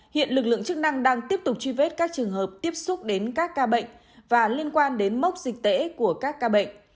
hiện lực lượng chức năng đang tiếp tục truy vết các trường hợp tiếp xúc đến các ca bệnh và liên quan đến mốc dịch tễ của các ca bệnh